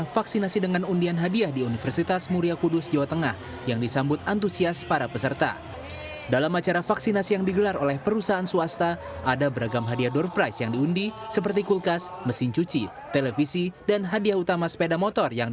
vaksinasi kedua kalinya